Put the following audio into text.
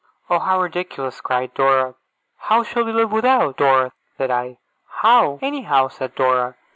'Oh! How ridiculous!' cried Dora. 'How shall we live without, Dora?' said I. 'How? Any how!' said Dora.